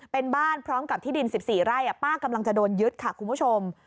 เป็นบ้านพร้อมกับที่ดิน๑๔ไร่ป้ากำลังจะโดนยึดค่ะคุณผู้ชม